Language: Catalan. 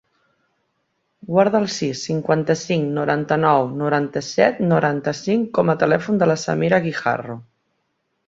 Guarda el sis, cinquanta-cinc, noranta-nou, noranta-set, noranta-cinc com a telèfon de la Samira Guijarro.